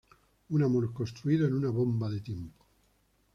Un amor construido en una bomba de tiempo.